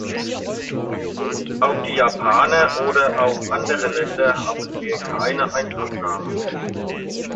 Auf die Japaner oder auf andere Länder haben wir keine Einflussnahme.